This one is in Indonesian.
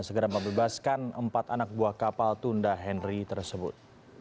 segera membebaskan empat anak buah kapal tunda henry tersebut